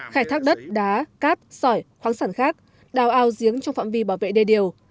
khai thác đất đá cát sỏi khoáng sản khác đào ao giếng trong phạm vi bảo vệ đê điều